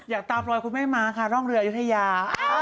อยากตามรอยคุณแม่ม้าค่ะร่องเรืออายุทยา